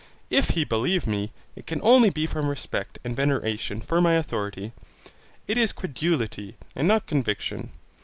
If he believe me, it can only be from respect and veneration for my authority. It is credulity, and not conviction.